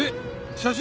写真？